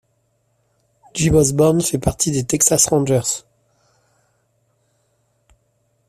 Jim Osborn fait partie des Texas Rangers.